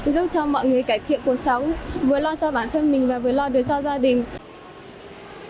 giúp cho mọi người cải thiện cuộc sống vừa lo cho bản thân mình và vừa lo được cho gia đình